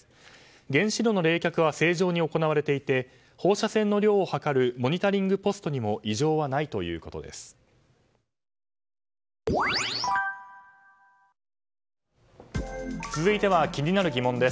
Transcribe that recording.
原子炉の冷却は正常に行われていて放射線の量を測るモニタリングポストにも異常はないということです。